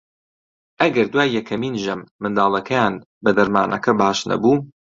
ئەگەر دوای یەکەمین ژەم منداڵەکەیان بە دەرمانەکە باش نەبوو